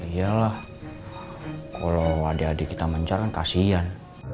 yalah kalo adik adik kita mencar kan kasian